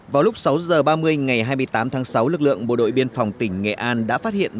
vào lúc sáu h ba mươi ngày hai mươi tám tháng sáu lực lượng bộ đội biên phòng tỉnh nghệ an đã phát hiện